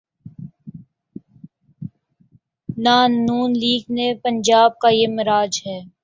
نہ N league‘ نہ پنجاب کا یہ مزاج ہے۔